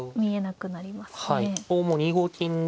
おもう２五金で。